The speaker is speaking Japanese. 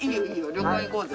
旅館行こうぜ。